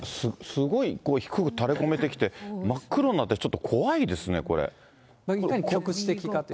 すごい低く垂れこめてきて、真っ黒になって、ちょっと怖いでいかに局地的かという。